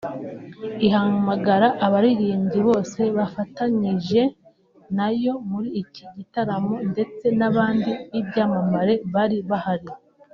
ihamagara abaririmbyi bose bafatanyije nayo muri iki gitaramo ndetse n’abandi b’ibyamamare bari bahari